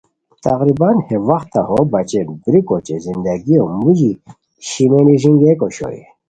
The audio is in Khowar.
تقریباً ہے وخت ہو بچین بریکو اوچے زندگیو مو ژی شیمینی ݱینگئیک اوشوئے